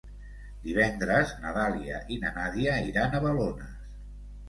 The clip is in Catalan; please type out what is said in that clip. Divendres na Dàlia i na Nàdia iran a Balones.